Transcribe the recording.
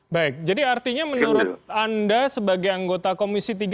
baik jadi artinya menurut anda sebagai anggota komisi tiga